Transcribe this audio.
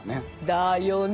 だよね！